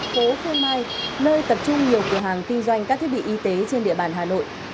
phố phương mai nơi tập trung nhiều cửa hàng kinh doanh các thiết bị y tế trên địa bàn hà nội